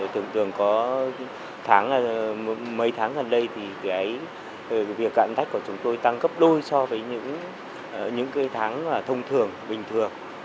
thường thường có mấy tháng gần đây thì cái việc ảnh tách của chúng tôi tăng gấp đôi so với những cái tháng thông thường bình thường